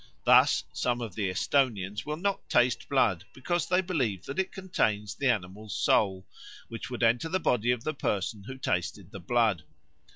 Thus some of the Esthonians will not taste blood because they believe that it contains the animal's soul, which would enter the body of the person who tasted the blood.